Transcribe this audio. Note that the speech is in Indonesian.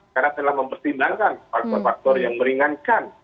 karena telah mempertimbangkan faktor faktor yang meringankan